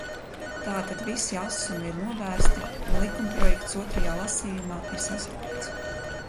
Tātad visi asumi ir novērsti un likumprojekts otrajā lasījumā ir saskaņots.